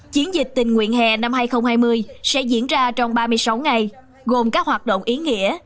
chiến dịch tình nguyện hè năm hai nghìn hai mươi sẽ diễn ra trong ba mươi sáu ngày gồm các hoạt động ý nghĩa